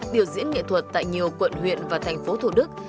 biểu diễn nghệ thuật tại nhiều quận huyện và thành phố thủ đức